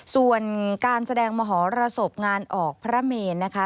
ส่วนการแสดงมหรสบงานออกพระเมนนะคะ